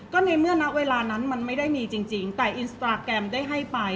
เพราะว่าสิ่งเหล่านี้มันเป็นสิ่งที่ไม่มีพยาน